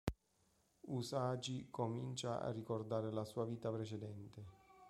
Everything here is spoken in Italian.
Usagi comincia a ricordare la sua vita precedente.